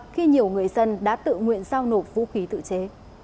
khi nhiều người dân đã tự nguyện giao nộp vũ khí tự chế